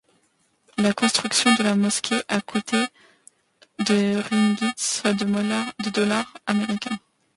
La construction de la mosquée a coûté de ringgits, soit de dollars américains.